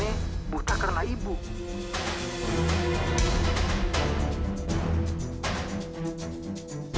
data untuk einkanny lagi ba recently